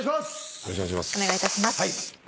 よろしくお願いします。